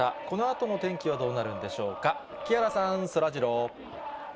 このあとの天気はどうなるんでしょうか、木原さん、そらジロー。